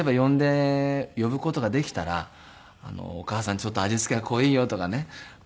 呼ぶ事ができたらお母さんちょっと味付けが濃いよとかね。